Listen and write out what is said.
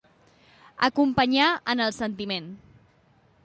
Acompanyar en el sentiment.